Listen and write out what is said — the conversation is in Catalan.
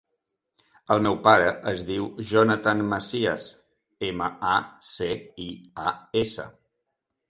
El meu pare es diu Jonathan Macias: ema, a, ce, i, a, essa.